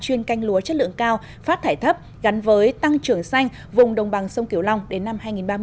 chuyên canh lúa chất lượng cao phát thải thấp gắn với tăng trưởng xanh vùng đồng bằng sông kiều long đến năm hai nghìn ba mươi